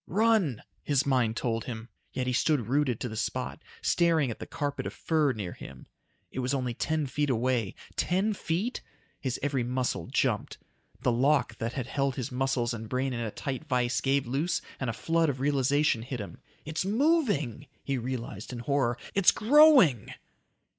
"Run!" his mind told him. Yet he stood rooted to the spot, staring at the carpet of fur near him. It was only ten feet away. Ten feet? His every muscle jumped. The lock that had held his muscles and brain in a tight vice gave loose and a flood of realization hit him. "It's moving!" he realized in horror. "It's growing!"